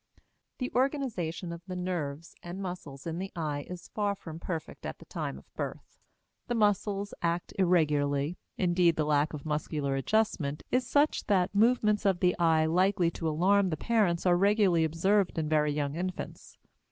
The organization of the nerves and muscles in the eye is far from perfect at the time of birth. The muscles act irregularly; indeed, the lack of muscular adjustment is such that movements of the eye likely to alarm the parents are regularly observed in very young infants.